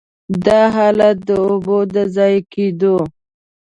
دا حالت د اوبو د ضایع کېدو.